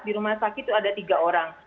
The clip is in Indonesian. di rumah sakit itu ada tiga orang